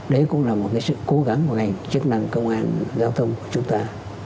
đấy cũng là một sự cố gắng của ngành chức năng công an giao thông của chúng ta